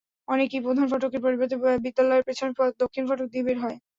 অনেকেই প্রধান ফটকের পরিবর্তে বিদ্যালয়ের পেছনে দক্ষিণ ফটক দিয়ে বের হয়।